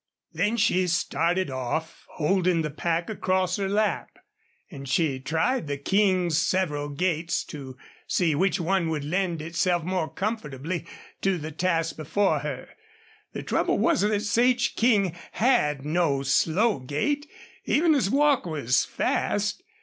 Then she started off, holding the pack across her lap, and she tried the King's several gaits to see which one would lend itself more comfortably to the task before her. The trouble was that Sage King had no slow gait, even his walk was fast.